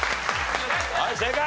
はい正解！